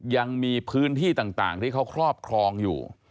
ยังมีพื้นที่ต่างที่เขาครอบครองอยู่